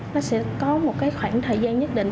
nó sẽ có một khoảng thời gian nhất định